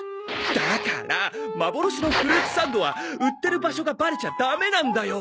だからまぼろしのフルーツサンドは売ってる場所がバレちゃダメなんだよ。